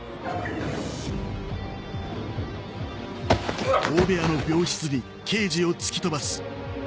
うわっ。